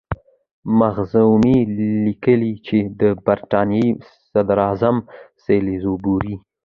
مخزومي لیکي چې د برټانیې صدراعظم سالیزبوري.